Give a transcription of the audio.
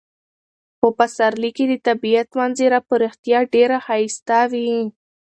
په پسرلي کې د طبیعت منظره په رښتیا ډیره ښایسته وي.